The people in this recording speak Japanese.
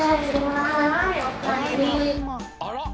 あら？